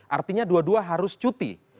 artinya dua dua harus cuti